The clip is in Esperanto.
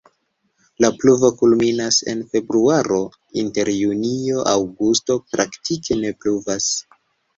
La pluvo kulminas en februaro, inter junio-aŭgusto praktike ne pluvas.